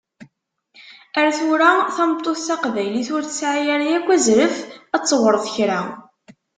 Ar tura, tameṭṭut taqbaylit ur tesɛi ara yakk azref ad tewṛet kra!